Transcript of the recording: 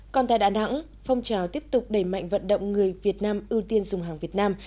còn tại đà nẵng phong trào tiếp tục đẩy mạnh vận động người việt nam ưu tiên dùng hàng việt nam